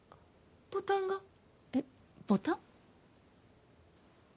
ボタンがえっボタン？